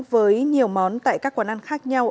với nhiều món tại các quán ăn khác nhau